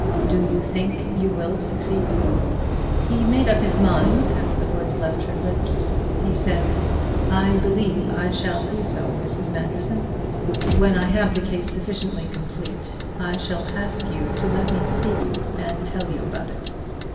"Do you think you will succeed?" He made his mind up as the words left her lips. He said: "I believe I shall do so, Mrs. Manderson. When I have the case sufficiently complete I shall ask you to let me see you and tell you about it.